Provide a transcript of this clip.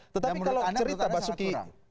tetapi kalau cerita basuki